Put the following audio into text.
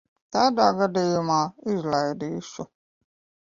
Tādā gadījumā izlaidīšu.